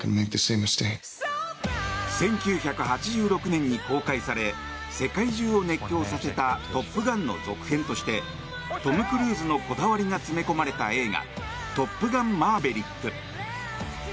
１９８６年に公開され世界中を熱狂させた「トップガン」の続編としてトム・クルーズのこだわりが詰め込まれた映画「トップガンマーヴェリック」。